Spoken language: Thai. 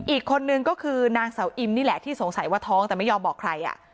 อีกคนนึงก็คือนางเสาอิมนี่แหละที่สงสัยว่าท้องแต่ไม่ยอมบอกใคร